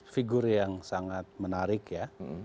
figur yang sangat menarik ya